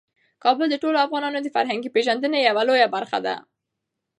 کابل د ټولو افغانانو د فرهنګي پیژندنې یوه لویه برخه ده.